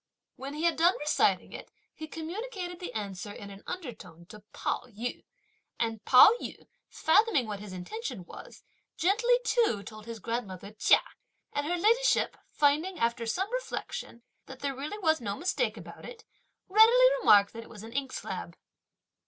When he had done reciting it, he communicated the answer in an undertone to Pao yü; and Pao yü fathoming what his intention was, gently too told his grandmother Chia, and her ladyship finding, after some reflection, that there was really no mistake about it, readily remarked that it was an inkslab.